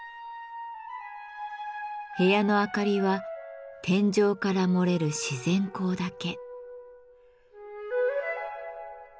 部屋の明かりは天井から漏れる自然光だけ。